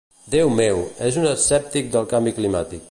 Déu meu! És un escèptic del canvi climàtic.